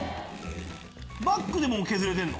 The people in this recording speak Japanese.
バックでも削れてるの？